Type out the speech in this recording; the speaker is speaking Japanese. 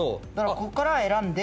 こっから選んで。